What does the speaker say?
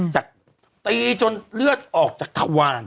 จากตีจนเลือดออกจากทวาร